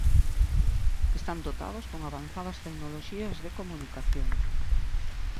Están dotados con avanzadas tecnoloxías de comunicación.